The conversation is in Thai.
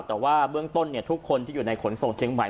แต่ว่าเบื้องต้นทุกคนที่อยู่ในขนส่งเชียงใหม่